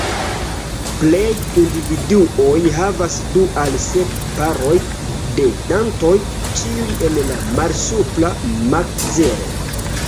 Plej individuoj havas du al sep paroj de dentoj, ĉiuj en la malsupra makzelo.